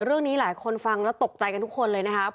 เรื่องนี้หลายคนฟังแล้วตกใจกันทุกคนเลยนะครับ